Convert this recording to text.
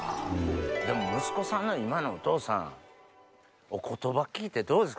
息子さんの今のお父さんお言葉聞いてどうですか？